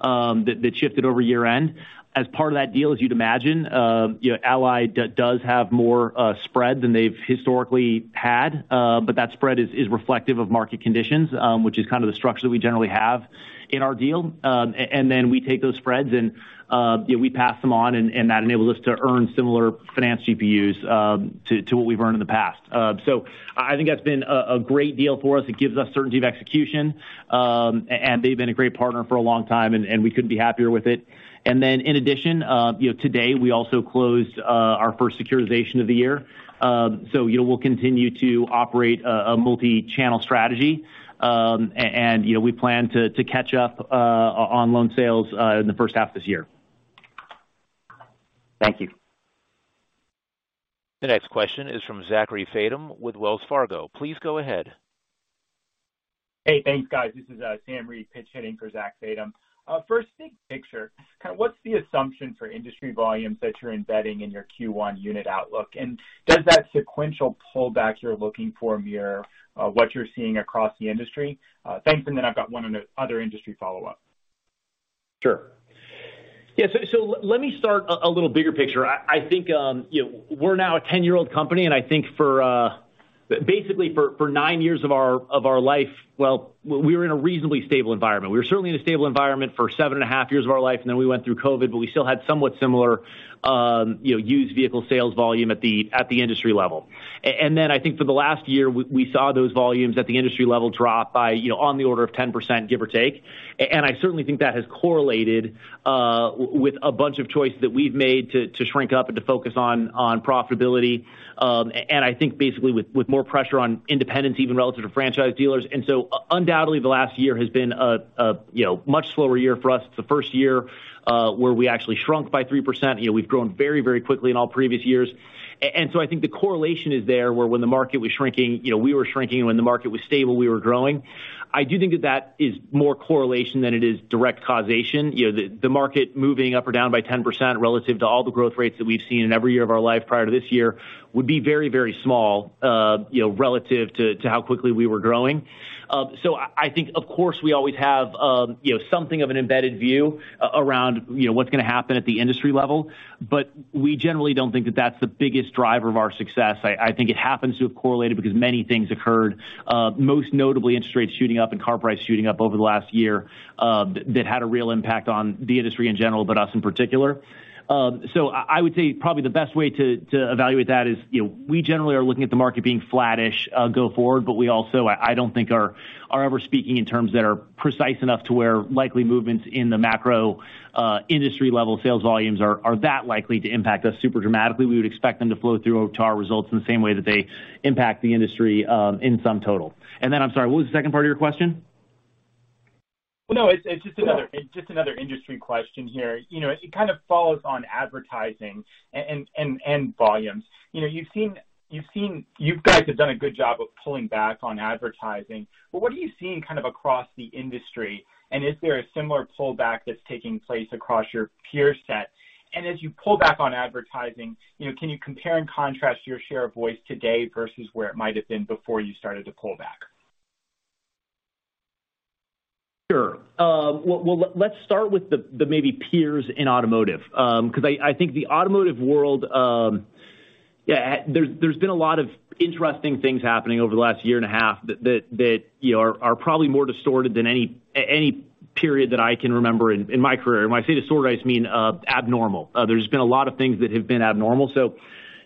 that shifted over year-end. As part of that deal, as you'd imagine, you know, Ally does have more spread than they've historically had. That spread is reflective of market conditions, which is kind of the structure that we generally have in our deal. Then we take those spreads and, you know, we pass them on and that enables us to earn similar finance GPUs to what we've earned in the past. I think that's been a great deal for us. It gives us certainty of execution. They've been a great partner for a long time and we couldn't be happier with it. Then in addition, you know, today we also closed our first securitization of the year. You know, we'll continue to operate a multi-channel strategy. You know, we plan to catch up on loan sales in the first half of this year. Thank you. The next question is from Zachary Fadem with Wells Fargo. Please go ahead. Hey, thanks, guys. This is Sam Reid pinch hitting for Zach Fadem. First big picture, kind of what's the assumption for industry volumes that you're embedding in your Q1 unit outlook? Does that sequential pullback you're looking for mirror what you're seeing across the industry? Thanks, I've got one other industry follow-up. Sure. Yeah, let me start a little bigger picture. I think, you know, we're now a 10-year-old company, and I think for, Basically for nine years of our life, well, we were in a reasonably stable environment. We were certainly in a stable environment for 7.5 Years of our life, and then we went through COVID, but we still had somewhat similar, you know, used vehicle sales volume at the industry level. I think for the last year, we saw those volumes at the industry level drop by, you know, on the order of 10%, give or take. I certainly think that has correlated with a bunch of choices that we've made to shrink up and to focus on profitability, and I think basically with more pressure on independents, even relative to franchise dealers. Undoubtedly, the last year has been a, you know, much slower year for us. It's the first year where we actually shrunk by 3%. You know, we've grown very, very quickly in all previous years. So I think the correlation is there, where when the market was shrinking, you know, we were shrinking, and when the market was stable, we were growing. I do think that that is more correlation than it is direct causation. You know, the market moving up or down by 10% relative to all the growth rates that we've seen in every year of our life prior to this year would be very, very small, you know, relative to how quickly we were growing. I think, of course, we always have, you know, something of an embedded view around, you know, what's gonna happen at the industry level. We generally don't think that that's the biggest driver of our success. I think it happens to have correlated because many things occurred, most notably interest rates shooting up and car prices shooting up over the last year, that had a real impact on the industry in general, but us in particular. I would say probably the best way to evaluate that is, you know, we generally are looking at the market being flattish go forward. We also, I don't think are ever speaking in terms that are precise enough to where likely movements in the macro industry level sales volumes are that likely to impact us super dramatically. We would expect them to flow through to our results in the same way that they impact the industry in sum total. I'm sorry, what was the second part of your question? No, it's just another industry question here. You know, it kind of follows on advertising and volumes. You know, you guys have done a good job of pulling back on advertising, but what are you seeing kind of across the industry? Is there a similar pullback that's taking place across your peer set? As you pull back on advertising, you know, can you compare and contrast your share of voice today versus where it might have been before you started to pull back? Sure. Well, let's start with the maybe peers in automotive. 'Cause I think the automotive world, yeah, there's been a lot of interesting things happening over the last year and a half that, you know, are probably more distorted than any period that I can remember in my career. When I say distorted, I just mean abnormal. There's been a lot of things that have been abnormal.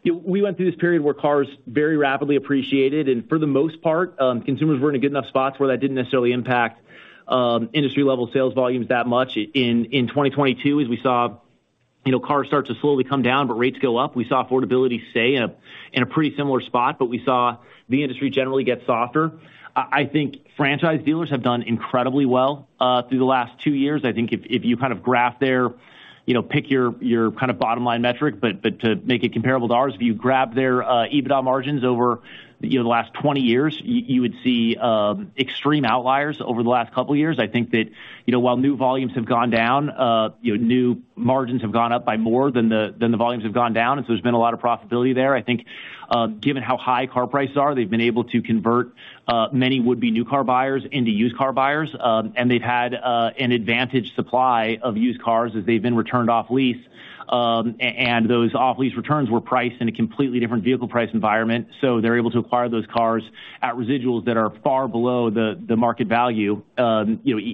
You know, we went through this period where cars very rapidly appreciated, and for the most part, consumers were in a good enough spot to where that didn't necessarily impact industry level sales volumes that much. In 2022, as we saw, you know, cars start to slowly come down, but rates go up. We saw affordability stay in a pretty similar spot, we saw the industry generally get softer. I think franchise dealers have done incredibly well through the last two years. I think if you kind of graph their, you know, pick your kind of bottom line metric, to make it comparable to ours, if you graph their EBITDA margins over, you know, the last 20 years, you would see extreme outliers over the last couple years. I think that, you know, while new volumes have gone down, you know, new margins have gone up by more than the volumes have gone down. There's been a lot of profitability there. I think, given how high car prices are, they've been able to convert many would-be new car buyers into used car buyers. They've had an advantage supply of used cars as they've been returned off lease. Those off lease returns were priced in a completely different vehicle price environment, so they're able to acquire those cars at residuals that are far below the market value, you know,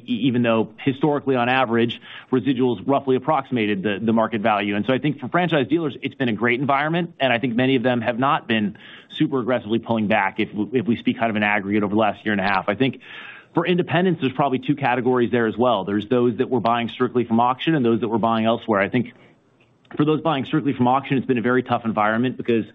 even though historically, on average, residuals roughly approximated the market value. I think for franchise dealers, it's been a great environment, and I think many of them have not been super aggressively pulling back if we speak kind of an aggregate over the last year and a half. I think for independents, there's probably two categories there as well. There's those that were buying strictly from auction and those that were buying elsewhere. I think for those buying strictly from auction, it's been a very tough environment because,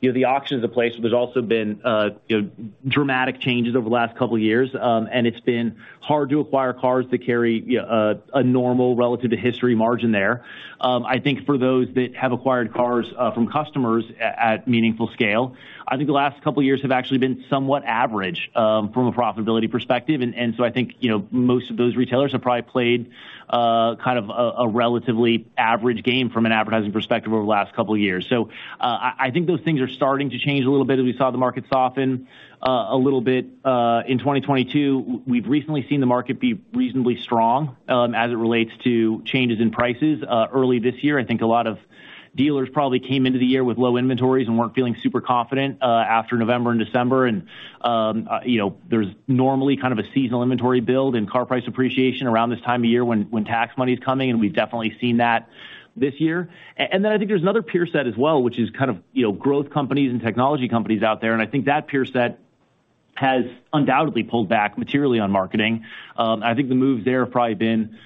you know, the auction is a place where there's also been, you know, dramatic changes over the last couple of years. It's been hard to acquire cars that carry a normal relative to history margin there. I think for those that have acquired cars from customers at meaningful scale, I think the last couple of years have actually been somewhat average from a profitability perspective. So I think, you know, most of those retailers have probably played kind of a relatively average game from an advertising perspective over the last couple of years. I think those things are starting to change a little bit as we saw the market soften a little bit in 2022. We've recently seen the market be reasonably strong as it relates to changes in prices early this year. I think a lot of dealers probably came into the year with low inventories and weren't feeling super confident after November and December. You know, there's normally kind of a seasonal inventory build and car price appreciation around this time of year when tax money is coming, and we've definitely seen that this year. Then I think there's another peer set as well, which is kind of, you know, growth companies and technology companies out there. I think that peer set has undoubtedly pulled back materially on marketing. I think the moves there have probably been,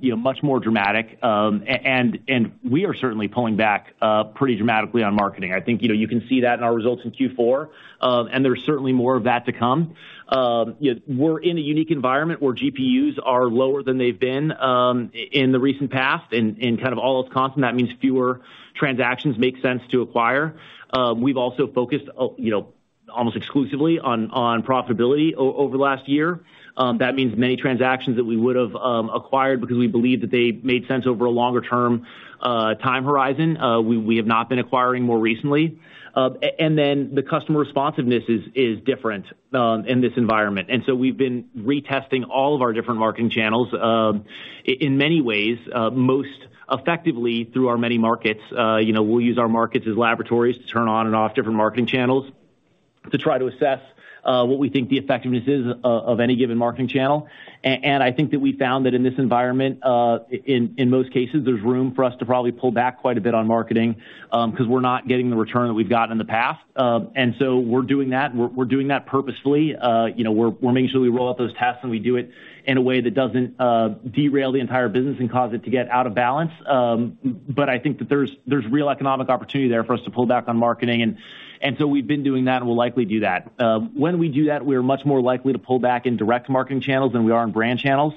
you know, much more dramatic. We are certainly pulling back pretty dramatically on marketing. I think, you know, you can see that in our results in Q4, and there's certainly more of that to come. You know, we're in a unique environment where GPUs are lower than they've been, in the recent past and kind of all else constant. That means fewer transactions make sense to acquire. We've also focused, you know, almost exclusively on profitability over the last year. That means many transactions that we would've, acquired because we believed that they made sense over a longer term, time horizon, we have not been acquiring more recently. The customer responsiveness is different, in this environment. So we've been retesting all of our different marketing channels, in many ways, most effectively through our many markets. You know, we'll use our markets as laboratories to turn on and off different marketing channels. To try to assess what we think the effectiveness is of any given marketing channel. I think that we found that in this environment, in most cases, there's room for us to probably pull back quite a bit on marketing, 'cause we're not getting the return that we've got in the past. So we're doing that. We're doing that purposefully. You know, we're making sure we roll out those tests and we do it in a way that doesn't derail the entire business and cause it to get out of balance. I think that there's real economic opportunity there for us to pull back on marketing. So we've been doing that and we'll likely do that. When we do that, we are much more likely to pull back in direct marketing channels than we are in brand channels.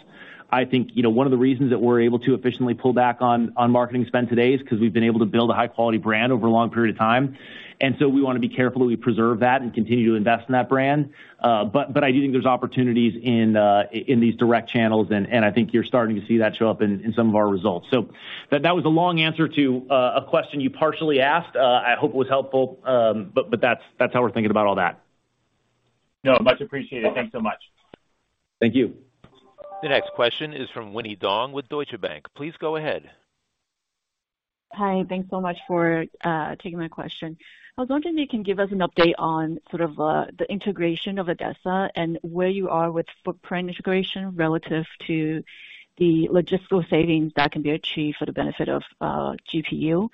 I think, you know, one of the reasons that we're able to efficiently pull back on marketing spend today is 'cause we've been able to build a high quality brand over a long period of time. We wanna be careful that we preserve that and continue to invest in that brand. I do think there's opportunities in these direct channels, and I think you're starting to see that show up in some of our results. That was a long answer to a question you partially asked. I hope it was helpful. But that's how we're thinking about all that. No, much appreciated. Thanks so much. Thank you. The next question is from Winnie Dong with Deutsche Bank. Please go ahead. Hi, thanks so much for taking my question. I was wondering if you can give us an update on sort of the integration of ADESA and where you are with footprint integration relative to the logistical savings that can be achieved for the benefit of GPU.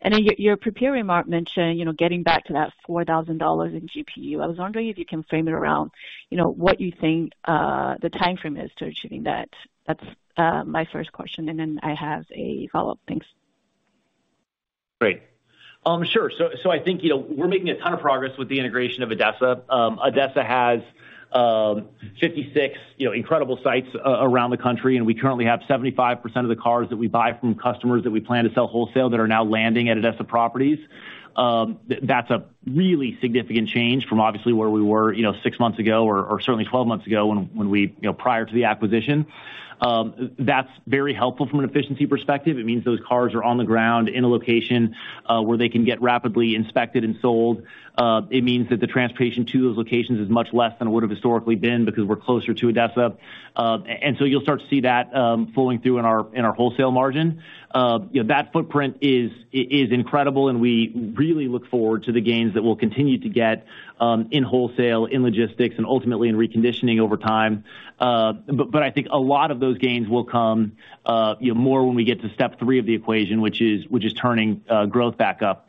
In your prepared remark mention, you know, getting back to that $4,000 in GPU. I was wondering if you can frame it around, you know, what you think the timeframe is to achieving that. That's my first question, and then I have a follow-up. Thanks. Great. Sure. I think, you know, we're making a ton of progress with the integration of ADESA. ADESA has 56, you know, incredible sites around the country. We currently have 75% of the cars that we buy from customers that we plan to sell wholesale that are now landing at ADESA properties. That's a really significant change from obviously where we were, you know, six months ago or certainly 12 months ago when we... You know, prior to the acquisition. That's very helpful from an efficiency perspective. It means those cars are on the ground in a location, where they can get rapidly inspected and sold. It means that the transportation to those locations is much less than it would have historically been because we're closer to ADESA. You'll start to see that flowing through in our wholesale margin. You know, that footprint is incredible and we really look forward to the gains that we'll continue to get in wholesale, in logistics, and ultimately in reconditioning over time. I think a lot of those gains will come, you know, more when we get to step three of the equation, which is turning growth back up.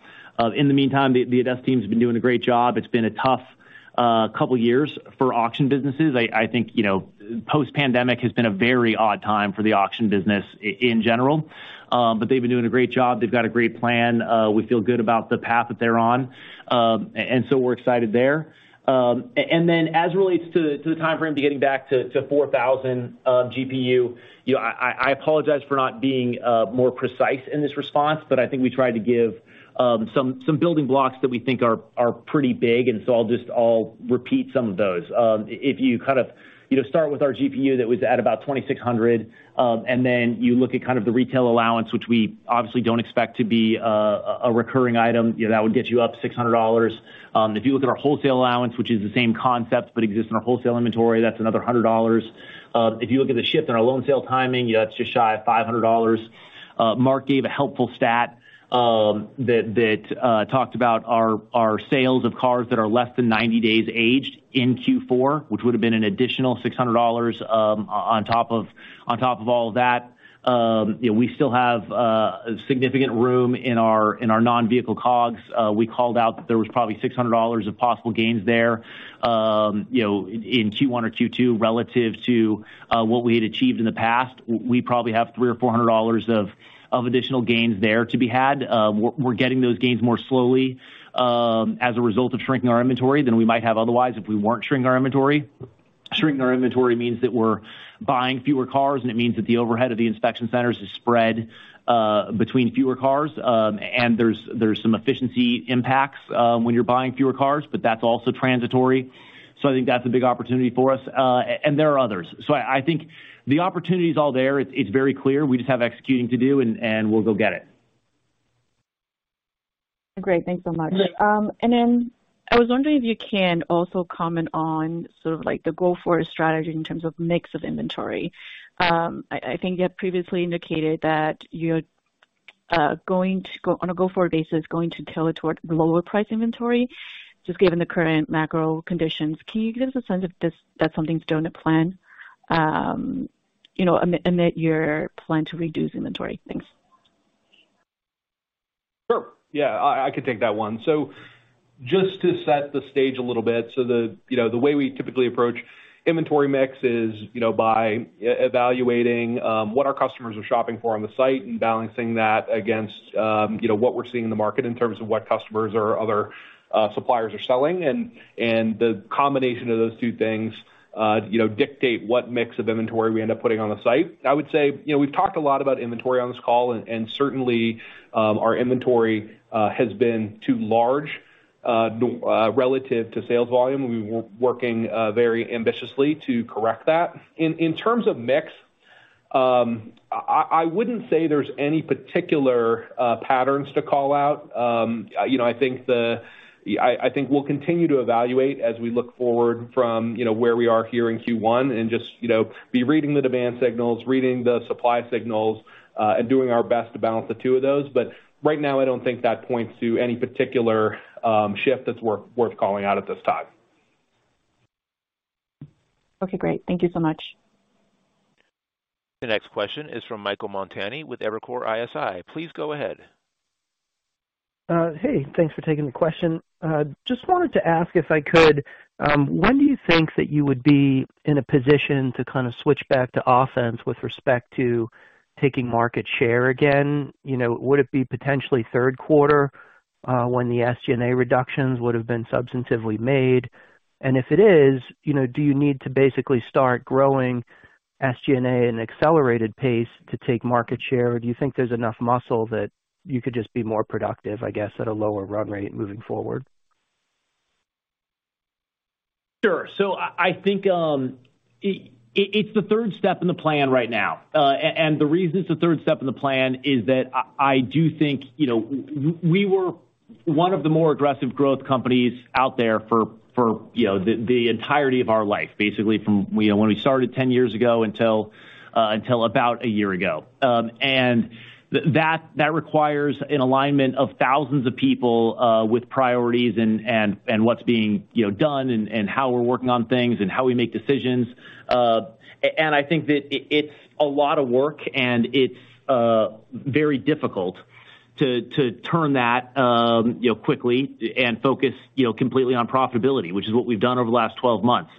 In the meantime, the ADESA team has been doing a great job. It's been a tough couple of years for auction businesses. I think, you know, post-pandemic has been a very odd time for the auction business in general. They've been doing a great job. They've got a great plan. We feel good about the path that they're on. We're excited there. As it relates to the timeframe to getting back to 4,000 GPU, you know, I apologize for not being more precise in this response, but I think we tried to give some building blocks that we think are pretty big. I'll repeat some of those. If you kind of, you know, start with our GPU that was at about 2,600, you look at kind of the retail allowance, which we obviously don't expect to be a recurring item, you know, that would get you up $600. If you look at our wholesale allowance, which is the same concept but exists in our wholesale inventory, that's another $100. If you look at the shift in our loan sale timing, that's just shy of $500. Mark gave a helpful stat that talked about our sales of cars that are less than 90 days aged in Q4, which would have been an additional $600 on top of all of that. You know, we still have significant room in our non-vehicle COGS. We called out that there was probably $600 of possible gains there, you know, in Q1 or Q2 relative to what we had achieved in the past. We probably have $300 or $400 of additional gains there to be had. We're getting those gains more slowly, as a result of shrinking our inventory than we might have otherwise if we weren't shrinking our inventory. Shrinking our inventory means that we're buying fewer cars, and it means that the overhead of the inspection centers is spread between fewer cars. There's some efficiency impacts when you're buying fewer cars, but that's also transitory. I think that's a big opportunity for us, and there are others. I think the opportunity is all there. It's very clear. We just have executing to do and we'll go get it. Great. Thanks so much. I was wondering if you can also comment on sort of like the go-forward strategy in terms of mix of inventory. I think you had previously indicated that you're going on a go-forward basis, going to tail it towards lower price inventory, just given the current macro conditions. Can you give us a sense if that something's doing the plan, you know, amid your plan to reduce inventory? Thanks. Sure. Yeah, I can take that one. Just to set the stage a little bit. The, you know, the way we typically approach inventory mix is, you know, by evaluating what our customers are shopping for on the site and balancing that against, you know, what we're seeing in the market in terms of what customers or other suppliers are selling. The combination of those two things, you know, dictate what mix of inventory we end up putting on the site. I would say, you know, we've talked a lot about inventory on this call, and certainly, our inventory has been too large relative to sales volume. We were working very ambitiously to correct that. In terms of mix, I wouldn't say there's any particular patterns to call out. You know, I think we'll continue to evaluate as we look forward from, you know, where we are here in Q1 and just, you know, be reading the demand signals, reading the supply signals, and doing our best to balance the two of those. Right now, I don't think that points to any particular shift that's worth calling out at this time. Okay, great. Thank you so much. The next question is from Michael Montani with Evercore ISI. Please go ahead. Hey, thanks for taking the question. Just wanted to ask if I could, when do you think that you would be in a position to kinda switch back to offense with respect to taking market share again? You know, would it be potentially third quarter when the SG&A reductions would have been substantively made? If it is, you know, do you need to basically start growing SG&A at an accelerated pace to take market share? Do you think there's enough muscle that you could just be more productive, I guess, at a lower run rate moving forward? Sure. I think, it's the third step in the plan right now. The reason it's the third step in the plan is that I do think, you know, we were one of the more aggressive growth companies out there for, you know, the entirety of our life, basically from, you know, when we started 10 years ago until about a year ago. That requires an alignment of thousands of people with priorities and what's being, you know, done and how we're working on things and how we make decisions. I think that it's a lot of work and it's very difficult to turn that, you know, quickly and focus, you know, completely on profitability, which is what we've done over the last 12 months.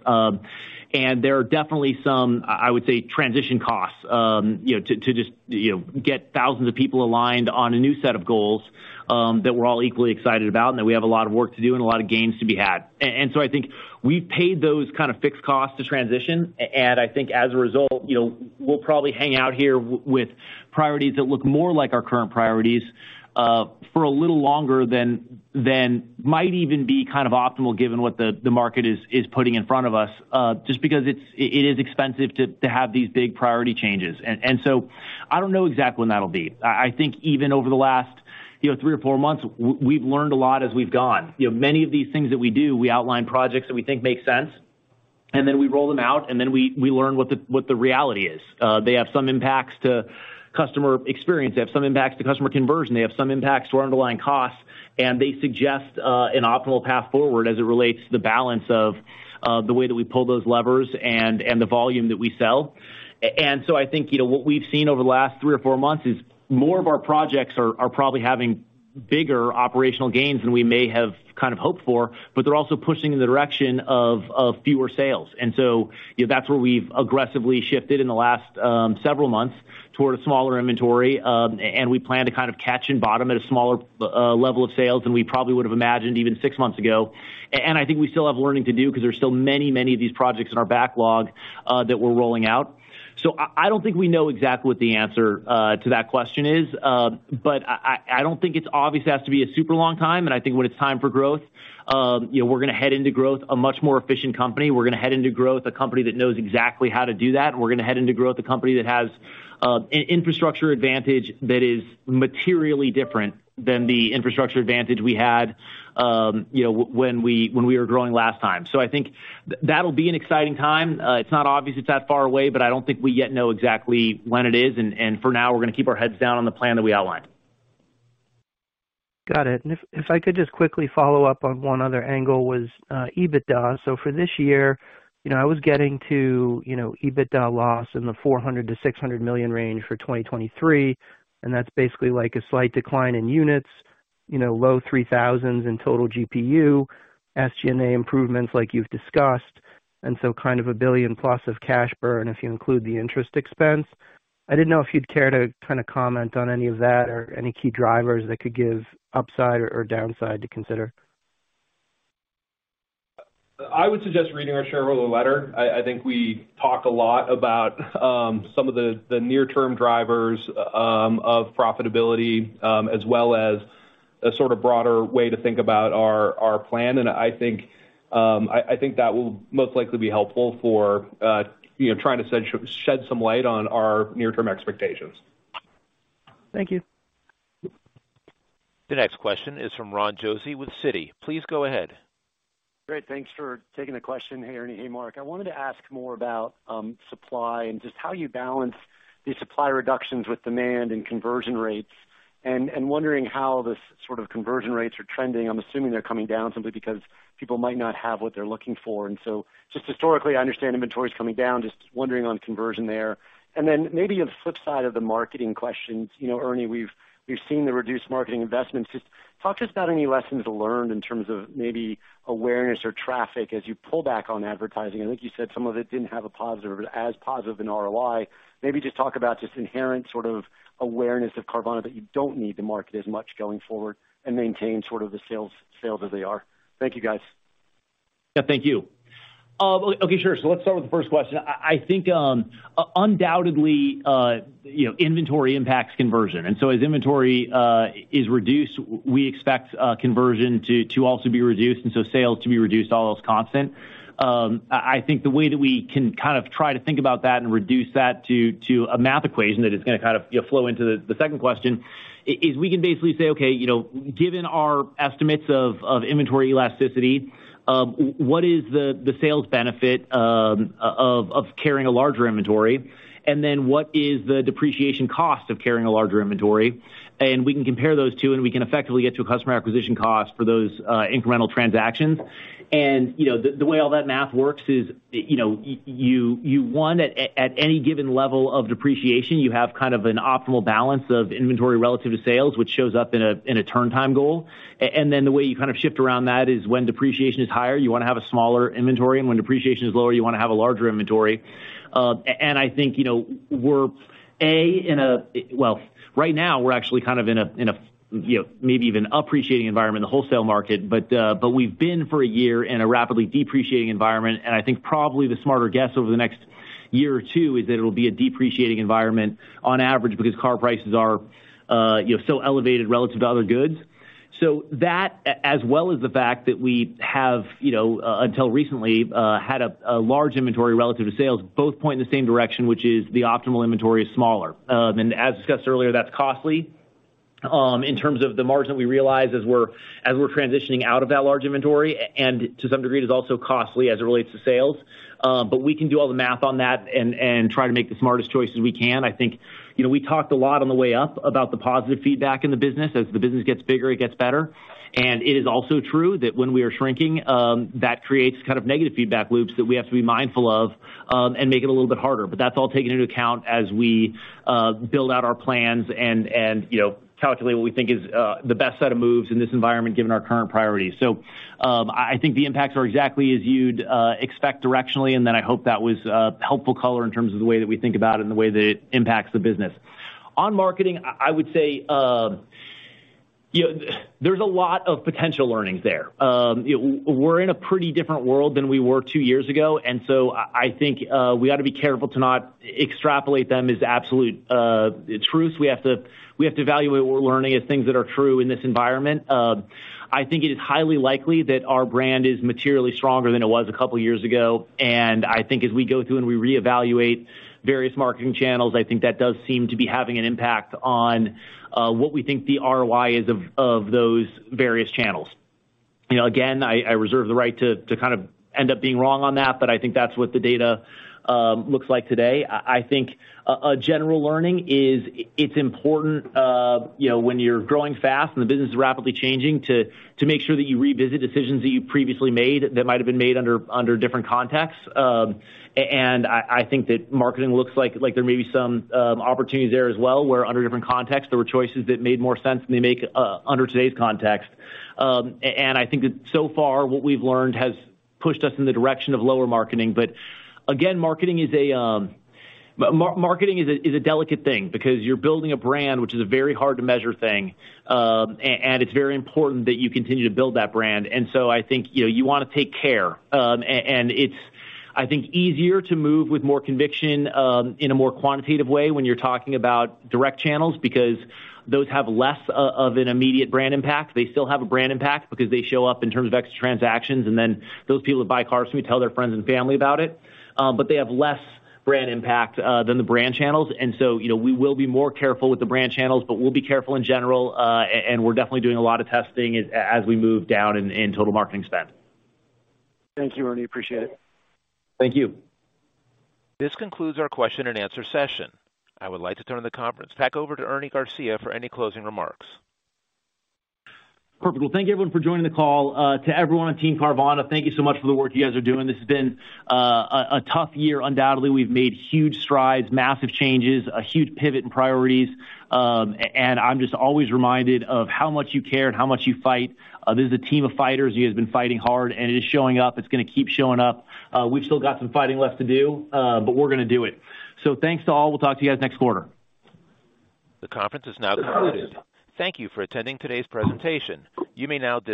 There are definitely some, I would say, transition costs, you know, to just, you know, get thousands of people aligned on a new set of goals, that we're all equally excited about and that we have a lot of work to do and a lot of gains to be had. I think we paid those kind of fixed costs to transition. I think as a result, you know, we'll probably hang out here with priorities that look more like our current priorities, for a little longer than might even be kind of optimal given what the market is putting in front of us, just because it is expensive to have these big priority changes. I don't know exactly when that'll be. I think even over the last, you know, three or four months, we've learned a lot as we've gone. You know, many of these things that we do, we outline projects that we think make sense, and then we roll them out, and then we learn what the reality is. They have some impacts to customer experience, they have some impacts to customer conversion, they have some impacts to our underlying costs, and they suggest an optimal path forward as it relates to the balance of the way that we pull those levers and the volume that we sell. I think, you know, what we've seen over the last three or four months is more of our projects are probably having bigger operational gains than we may have kind of hoped for, but they're also pushing in the direction of fewer sales. You know, that's where we've aggressively shifted in the last several months toward a smaller inventory. We plan to kind of catch and bottom at a smaller level of sales than we probably would have imagined even six months ago. I think we still have learning to do 'cause there's still many of these projects in our backlog that we're rolling out. I don't think we know exactly what the answer to that question is. But I don't think it's obvious it has to be a super long time, and I think when it's time for growth, you know, we're gonna head into growth a much more efficient company. We're gonna head into growth a company that knows exactly how to do that. We're gonna head into growth a company that has infrastructure advantage that is materially different than the infrastructure advantage we had, you know, when we were growing last time. I think that'll be an exciting time. It's not obvious it's that far away, but I don't think we yet know exactly when it is. And for now, we're gonna keep our heads down on the plan that we outlined. Got it. If I could just quickly follow up on one other angle was EBITDA. For this year, you know, I was getting to, you know, EBITDA loss in the $400 million-$600 million range for 2023, that's basically like a slight decline in units, you know, low 3,000s in total GPU, SG&A improvements like you've discussed, kind of a $1 billion+ of cash burn if you include the interest expense. I didn't know if you'd care to kind of comment on any of that or any key drivers that could give upside or downside to consider. I would suggest reading our shareholder letter. I think we talk a lot about some of the near-term drivers of profitability as well as a sort of broader way to think about our plan. I think that will most likely be helpful for, you know, trying to shed some light on our near-term expectations. Thank you. The next question is from Ron Josey with Citi. Please go ahead. Great. Thanks for taking the question. Hey, Ernie. Hey, Mark. I wanted to ask more about supply and just how you balance the supply reductions with demand and conversion rates, and wondering how the sort of conversion rates are trending. I'm assuming they're coming down simply because people might not have what they're looking for. Just historically, I understand inventory is coming down, just wondering on conversion there. Then maybe a flip side of the marketing questions. You know, Ernie, we've seen the reduced marketing investments. Just talk to us about any lessons learned in terms of maybe awareness or traffic as you pull back on advertising. I think you said some of it didn't have a positive or as positive an ROI. Maybe just talk about just inherent sort of awareness of Carvana, but you don't need to market as much going forward and maintain sort of the sales as they are. Thank you, guys. Yeah, thank you. Okay, sure. Let's start with the first question. I think, undoubtedly, you know, inventory impacts conversion. As inventory is reduced, we expect conversion to also be reduced and so sales to be reduced all else constant. I think the way that we can kind of try to think about that and reduce that to a math equation that is gonna kind of, you know, flow into the second question is we can basically say, okay, you know, given our estimates of inventory elasticity, what is the sales benefit of carrying a larger inventory? Then what is the depreciation cost of carrying a larger inventory? We can compare those two, and we can effectively get to a customer acquisition cost for those incremental transactions. You know, the way all that math works is, you know, you won at any given level of depreciation, you have kind of an optimal balance of inventory relative to sales, which shows up in a turn time goal. Then the way you kind of shift around that is when depreciation is higher, you wanna have a smaller inventory, and when depreciation is lower, you wanna have a larger inventory. I think, you know, we're in a. Right now we're actually kind of in a, you know, maybe even appreciating environment in the wholesale market. We've been for a year in a rapidly depreciating environment, and I think probably the smarter guess over the next year or two is that it'll be a depreciating environment on average because car prices are, you know, still elevated relative to other goods. That as well as the fact that we have, you know, until recently, had a large inventory relative to sales, both point in the same direction, which is the optimal inventory is smaller. As discussed earlier, that's costly, in terms of the margin that we realize as we're, as we're transitioning out of that large inventory and to some degree, it is also costly as it relates to sales. We can do all the math on that and try to make the smartest choices we can. I think, you know, we talked a lot on the way up about the positive feedback in the business. As the business gets bigger, it gets better. It is also true that when we are shrinking, that creates kind of negative feedback loops that we have to be mindful of, and make it a little bit harder. That's all taken into account as we build out our plans and, you know, calculate what we think is the best set of moves in this environment, given our current priorities. I think the impacts are exactly as you'd expect directionally, and then I hope that was helpful color in terms of the way that we think about it and the way that it impacts the business. On marketing, I would say, you know, there's a lot of potential learnings there. You know, we're in a pretty different world than we were two years ago. I think we ought to be careful to not extrapolate them as absolute truths. We have to evaluate what we're learning as things that are true in this environment. I think it is highly likely that our brand is materially stronger than it was a couple years ago. I think as we go through and we reevaluate various marketing channels, I think that does seem to be having an impact on what we think the ROI is of those various channels. You know, again, I reserve the right to kind of end up being wrong on that, but I think that's what the data looks like today. I think a general learning is it's important, you know, when you're growing fast and the business is rapidly changing to make sure that you revisit decisions that you previously made that might have been made under different contexts. I think that marketing looks like there may be some opportunities there as well, where under different contexts, there were choices that made more sense than they make under today's context. I think that so far, what we've learned has pushed us in the direction of lower marketing. Again, marketing is a. Marketing is a delicate thing because you're building a brand, which is a very hard to measure thing. And it's very important that you continue to build that brand. I think, you know, you wanna take care. It's, I think, easier to move with more conviction, in a more quantitative way when you're talking about direct channels because those have less of an immediate brand impact. They still have a brand impact because they show up in terms of extra transactions, and then those people that buy cars from me tell their friends and family about it. They have less brand impact than the brand channels. you know, we will be more careful with the brand channels, but we'll be careful in general, and we're definitely doing a lot of testing as we move down in total marketing spend. Thank you, Ernie. Appreciate it. Thank you. This concludes our question and answer session. I would like to turn the conference back over to Ernie Garcia for any closing remarks. Perfect. Well, thank you everyone for joining the call. To everyone on Team Carvana, thank you so much for the work you guys are doing. This has been a tough year, undoubtedly. We've made huge strides, massive changes, a huge pivot in priorities. And I'm just always reminded of how much you care and how much you fight. This is a team of fighters. You guys have been fighting hard, and it is showing up. It's gonna keep showing up. We've still got some fighting left to do, but we're gonna do it. Thanks to all. We'll talk to you guys next quarter. The conference is now concluded. Thank you for attending today's presentation. You may now disconnect.